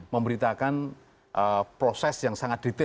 memberitakan proses yang sempurna